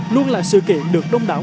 luôn là sự kiện được đông đảo